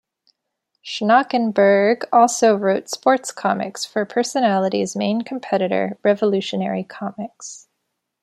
Schnakenberg also wrote sports comics for Personality's main competitor, Revolutionary Comics.